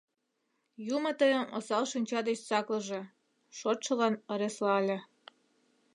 — Юмо тыйым осал шинча деч саклыже! — шотшылан ыреслале.